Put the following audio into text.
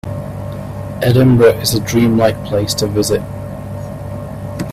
Edinburgh is a dream-like place to visit.